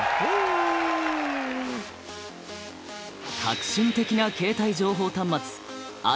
革新的な携帯情報端末